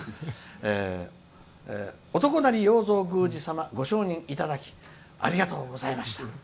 男成洋三宮司様ご承認いただきありがとうございました」。